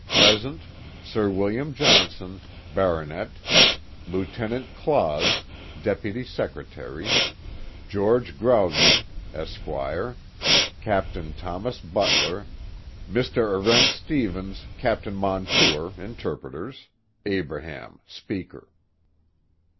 Present, Sir William Johnson, Bart., Lieut. Claus, Dep. Sec'y, Geo. Croghan, Esq., Captain Thomas Butler; Mr. Arent Stevens, Captain Montour, interpreters; Abraham, speaker.